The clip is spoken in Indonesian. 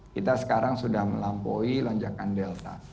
kita sekarang sudah melampaui lonjakan delta